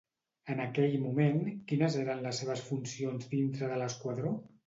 En aquell moment, quines eren les seves funcions dintre de l'esquadró?